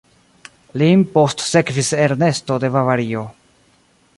Lin postsekvis Ernesto de Bavario.